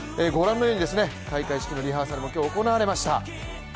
ご覧のように開会式のリハーサルも今日、行われました。